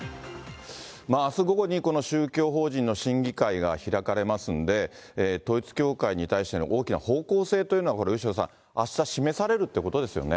あす午後にこの宗教法人の審議会が開かれますんで、統一教会に対しての大きな方向性というのは、これ、後呂さん、あした示されるということですよね。